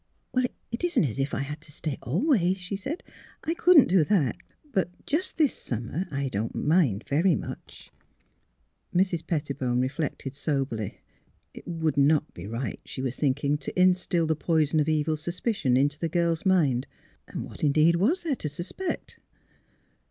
*' It isn't as if I had to stay always," she said. " I couldn't do that. But just this summer I don't mind — ^very much." Mrs. Pettibone reflected soberly. It would not be right, she was thinking, to instill the poison of evil suspicion into the girl's mind. And what, indeed, was there to suspect?